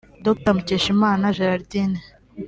Dr Mukeshimana Geraldine